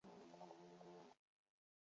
На хлеб зарабляў урокамі.